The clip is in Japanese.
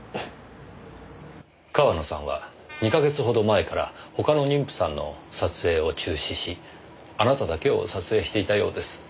川野さんは２か月ほど前から他の妊婦さんの撮影を中止しあなただけを撮影していたようです。